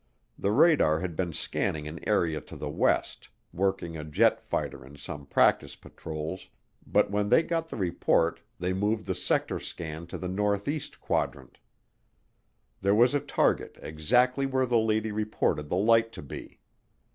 The radar had been scanning an area to the west, working a jet fighter in some practice patrols, but when they got the report they moved the sector scan to the northeast quadrant. There was a target exactly where the lady reported the light to be.